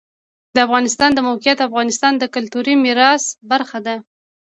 د افغانستان د موقعیت د افغانستان د کلتوري میراث برخه ده.